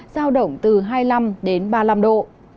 giao động từ hai mươi năm đến ba mươi năm độ